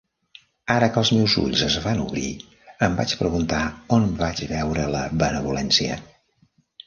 Ara que els meus ulls es van obrir, em vaig preguntar on vaig veure la benevolència.